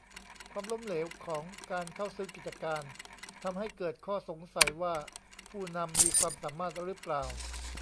ความล้มเหลวของการเข้าซื้อกิจการ ทำให้เกิดข้อสงสัยว่าผู้นำมีความสามารถรึเปล่า